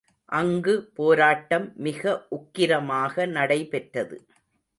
அங்கு போராட்டம் மிக உக்கிரமாக நடைபெற்றது.